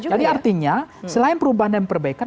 jadi artinya selain perubahan dan perbaikan